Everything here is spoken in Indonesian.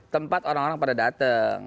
tempat orang orang pada datang